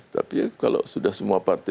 tapi kalau sudah semua partai